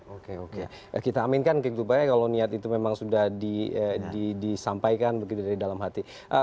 oke oke kita aminkan gitu pak ya kalau niat itu memang sudah disampaikan begitu dari dalam hati